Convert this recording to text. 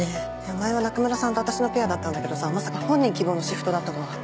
前は中村さんと私のペアだったんだけどさまさか本人希望のシフトだったとは。